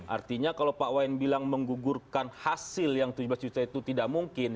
artinya kalau pak wayan bilang menggugurkan hasil yang tujuh belas juta itu tidak mungkin